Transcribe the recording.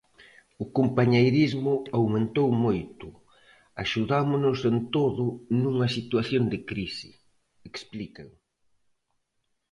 "O compañeirismo aumentou moito, axudámonos en todo nunha situación de crise", explican.